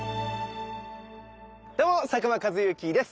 どうも佐久間一行です。